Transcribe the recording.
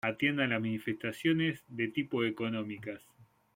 Atiende a las manifestaciones de tipo económicas.